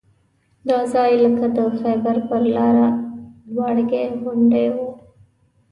دا ځای لکه د خیبر پر لاره لواړګي غوندې وو.